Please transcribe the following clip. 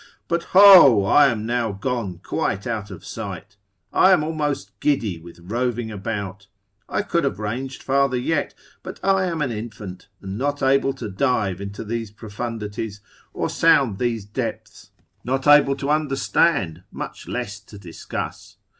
But hoo! I am now gone quite out of sight, I am almost giddy with roving about: I could have ranged farther yet; but I am an infant, and not able to dive into these profundities, or sound these depths; not able to understand, much less to discuss.